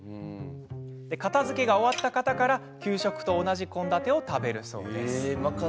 片づけが終わった方から給食と同じ献立を食べるそうですよ。